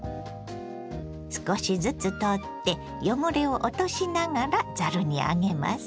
少しずつ取って汚れを落としながらざるに上げます。